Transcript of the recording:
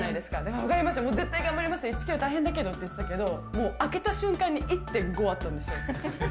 分かりました、もう絶対頑張ります、１キロ大変だけどって言ってたけど、もう、開けた瞬間に、１．５あったんですよ。